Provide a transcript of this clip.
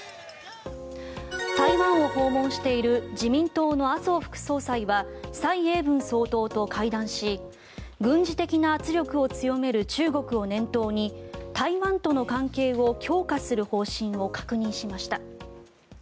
台湾を訪問している自民党の麻生副総裁は蔡英文総統と会談し軍事的な圧力を強める中国を念頭に台湾との関係を強化する方針を確認しました。